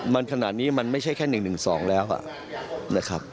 มันขนาดนี้มันไม่ใช่แค่๑๑๒แล้วนะครับ